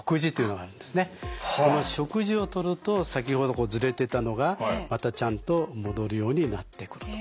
この食事をとると先ほどズレてたのがまたちゃんと戻るようになってくると。